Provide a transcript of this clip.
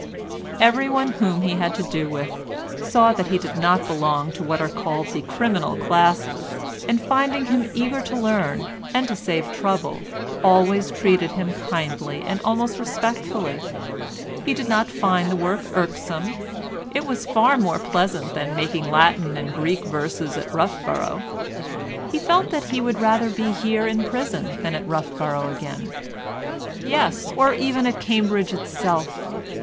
Everyone whom he had to do with saw that he did not belong to what are called the criminal classes, and finding him eager to learn and to save trouble always treated him kindly and almost respectfully. He did not find the work irksome: it was far more pleasant than making Latin and Greek verses at Roughborough; he felt that he would rather be here in prison than at Roughborough again—yes, or even at Cambridge itself.